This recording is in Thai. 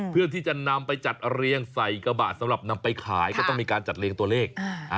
เพื่อที่จะนำไปจัดเรียงใส่กระบะสำหรับนำไปขายก็ต้องมีการจัดเรียงตัวเลข